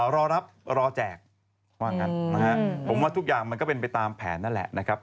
รอรับรอแจกว่างั้นนะฮะผมว่าทุกอย่างมันก็เป็นไปตามแผนนั่นแหละนะครับ